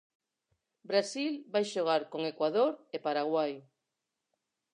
Brasil vai xogar con Ecuador e Paraguai.